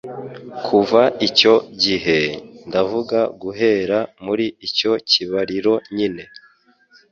Kuva icyo gihe, ndavuga guhera muri icyo kibariro nyine